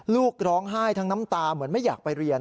ลูกร้องไห้ทั้งน้ำตาเหมือนไม่อยากไปเรียน